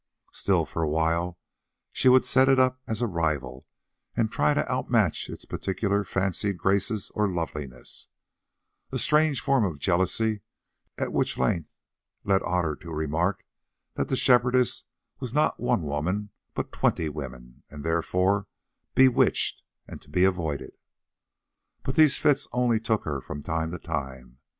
Still, for a while she would set it up as a rival, and try to outmatch its particular fancied grace or loveliness—a strange form of jealousy which at length led Otter to remark that the Shepherdess was not one woman but twenty women, and, therefore, bewitched and to be avoided. But these fits only took her from time to time.